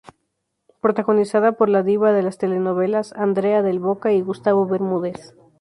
Protagonizada por la diva de las telenovelas Andrea Del Boca y Gustavo Bermúdez.